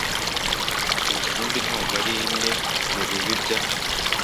Urusimbi ntabwo arimwe mubibi bya .